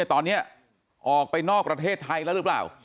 ตอนนี้ออกไปนอกประเทศไทยแล้วหรือเปล่า